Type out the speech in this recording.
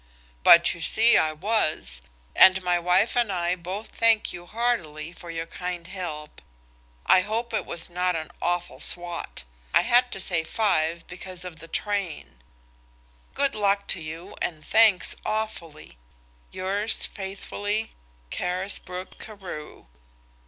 But you see I was. And my wife and I both thank you heartily for your kind help. I hope it was not an awful swat. I had to say five because of the train. Good luck to you, and thanks awfully. "Yours faithfully, "CARISBROOK CAREW."